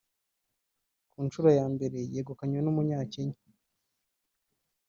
ku nshuro ya mbere yegukanywe n’Umunyakenya